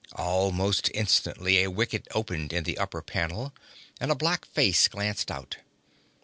Almost instantly a wicket opened in the upper panel, and a black face glanced out.